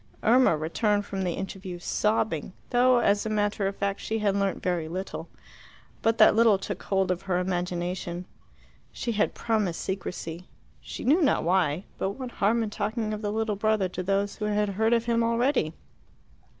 Irma returned from the interview sobbing, though, as a matter of fact, she had learnt very little. But that little took hold of her imagination. She had promised secrecy she knew not why. But what harm in talking of the little brother to those who had heard of him already?